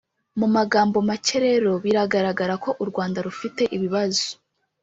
mu magambo make rero biragaragara ko u rwanda rufite ibibazo